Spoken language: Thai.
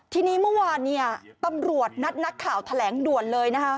ทีนี้เมื่อวานเนี่ยตำรวจนัดนักข่าวแถลงด่วนเลยนะคะ